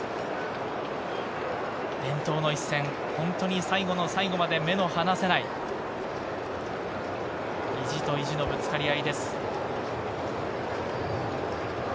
伝統の一戦、本当に最後の最後まで目の離せない意地と意地のぶつかり合いです。